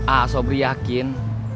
oh sobri yakin